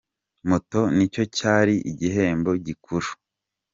Moto ni cyo cyari igihembo gikuru.